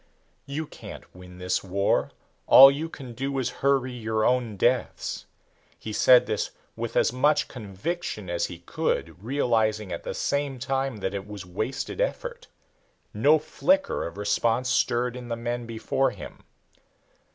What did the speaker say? "You can't win this war all you can do is hurry your own deaths." He said this with as much conviction as he could, realizing at the same time that it was wasted effort. No flicker of response stirred in the men before him.